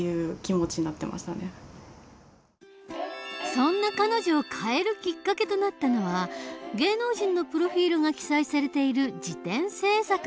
そんな彼女を変えるきっかけとなったのは芸能人のプロフィールが記載されている事典制作のアルバイト。